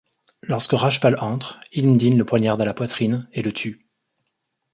Lorsque Rajpal entre, Ilm Deen le poignarde à la poitrine et le tue.